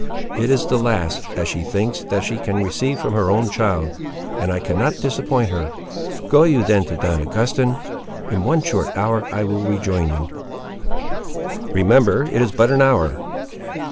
It is the last, as she thinks, that she can receive from her own child, and I cannot disappoint her. Go you then to Don Augustin; in one short hour I will rejoin you." "Remember it is but an hour!"